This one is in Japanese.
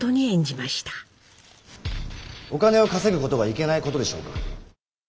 お金を稼ぐことがいけないことでしょうか。